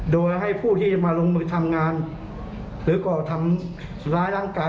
เขาเป็นตำรวจค่ะ